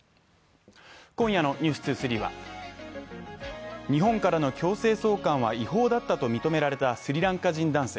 今夜の「ｎｅｗｓ２３」は日本からの強制送還は違法だったと認められたスリランカ人男性。